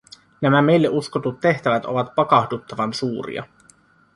Nämä meille uskotut tehtävät ovat pakahduttavan suuria.